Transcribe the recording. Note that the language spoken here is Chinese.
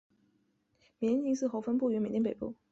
缅甸金丝猴分布于缅甸北部。